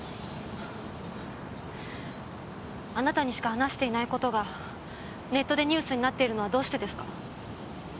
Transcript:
あなたにしか話していない事がネットでニュースになっているのはどうしてですか？